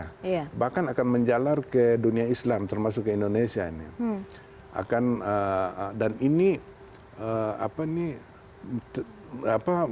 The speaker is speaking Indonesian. kita melihat kenapa negara negara banyak di dunia menekan trump untuk tidak melakukan apa